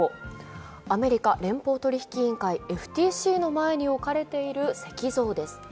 アメリカ連邦取引委員会ＦＴＣの前に置かれている石像です。